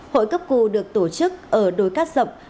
hội cấp cù được tổ chức ở đối cát rộng